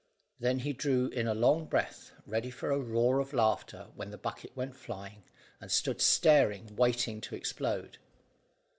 Then he drew in a long breath, ready for a roar of laughter when the bucket went flying, and stood staring waiting to explode.